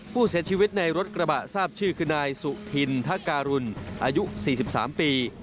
ผู้เสียชีวิตในรถกระบะทราบชื่อคือนายสุธินทะการุณอายุ๔๓ปี